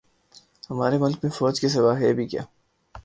ہمارے ملک میں فوج کے سوا ھے بھی کیا